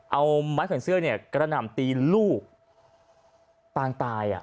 เอาไม้ขนเสื้อกระดำตีลูกต่างตาย